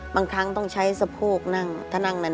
บางครั้งต้องใช้สะโพกนั่งถ้านั่งนั้น